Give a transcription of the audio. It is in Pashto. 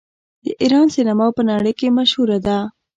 د ایران سینما په نړۍ کې مشهوره ده.